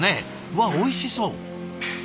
わあおいしそう。